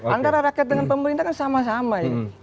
antara rakyat dan pemerintah kan sama sama ya